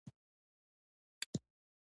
د ډېرې مودې سوکړې له وجې په سړک دومره دوړه وه